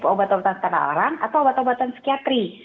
obat obatan karena orang atau obat obatan psikiatri